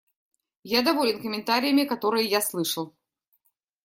Я доволен комментариями, которые я слышал.